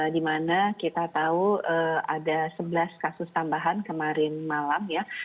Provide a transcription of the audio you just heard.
di mana kita tahu ada sebelas kasus tambahan kemarin malam